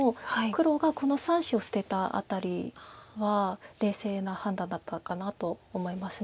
黒がこの３子を捨てた辺りは冷静な判断だったかなと思います。